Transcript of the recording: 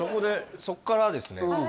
そこからですね